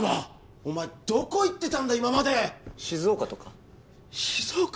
お前どこ行ってたんだ今まで静岡とか静岡！？